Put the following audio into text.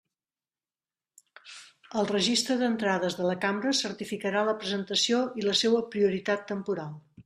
El Registre d'entrades de la cambra certificarà la presentació i la seua prioritat temporal.